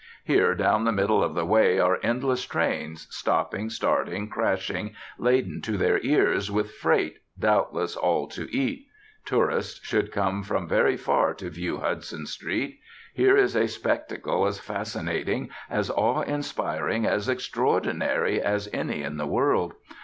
Here down the middle of the way are endless trains, stopping, starting, crashing, laden to their ears with freight, doubtless all to eat. Tourists should come from very far to view Hudson Street. Here is a spectacle as fascinating, as awe inspiring, as extraordinary as any in the world.